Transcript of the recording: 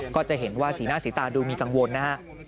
ก็จะเห็นว่าสีหน้าสีตาดูมีกังวลนะฮะ